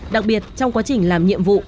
đặc biệt trong quá trình làm nhiệm vụ